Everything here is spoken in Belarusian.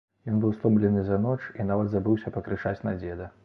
Ён быў стомлены за ноч і нават забыўся пакрычаць на дзеда.